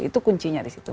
itu kuncinya di situ